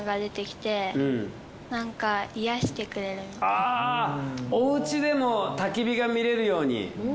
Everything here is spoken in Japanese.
あぁお家でも焚き火が見られるように。